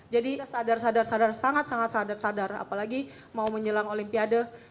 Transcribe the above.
jadi sadar sadar sadar sangat sangat sadar sadar apalagi mau menjelang olimpiade